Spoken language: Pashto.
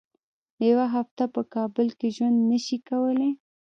یوه هفته په کابل کې ژوند نه شي کولای.